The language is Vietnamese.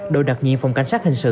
đội đặc nhiệm phòng cảnh sát hình sự